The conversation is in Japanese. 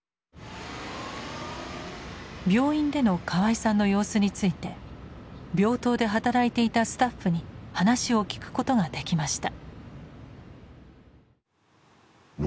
病院での河合さんの様子について病棟で働いていたスタッフに話を聞くことができました。